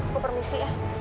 aku permisi ya